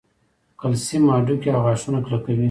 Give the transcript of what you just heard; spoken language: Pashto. کلسیم هډوکي او غاښونه کلکوي